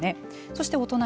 そして、お隣。